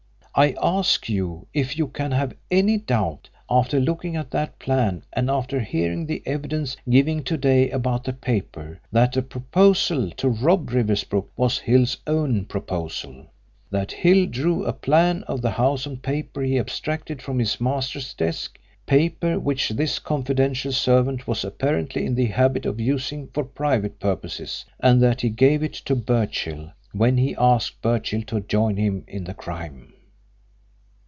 I ask you if you can have any doubt, after looking at that plan and after hearing the evidence given to day about the paper, that the proposal to rob Riversbrook was Hill's own proposal, that Hill drew a plan of the house on paper he abstracted from his master's desk paper which this confidential servant was apparently in the habit of using for private purposes and that he gave it to Birchill when he asked Birchill to join him in the crime?